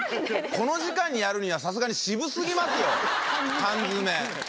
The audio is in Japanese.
この時間にやるにはさすがに渋すぎますよ缶詰。